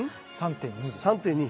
３．２です。